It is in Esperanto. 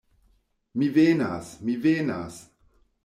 Mi venas, mi venas!